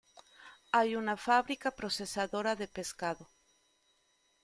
Hay una fábrica procesadora de pescado.